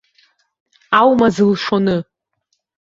Аума зылшоны.